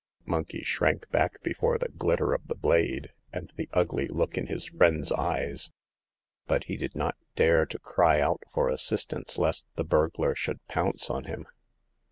Monkey shrank back before the glitter of the blade and the ugly look in his pal's eyes, but he did not dare to cry out for assistance, lest the burglar should pounce on him.